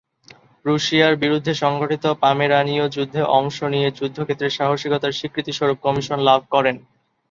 প্রুশিয়ার বিরুদ্ধে সংঘটিত পমেরানীয় যুদ্ধে অংশ নিয়ে যুদ্ধক্ষেত্রে সাহসিকতার স্বীকৃতিস্বরূপ কমিশন লাভ করেন।